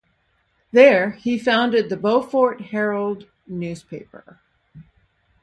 There, he founded the "Beaufort Herald" newspaper.